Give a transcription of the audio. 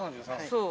そう。